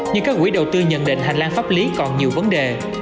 nhưng các quỹ đầu tư nhận định hành lang pháp lý còn nhiều vấn đề